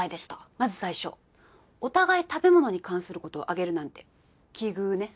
まず最初お互い食べ物に関することを挙げるなんて奇遇ね。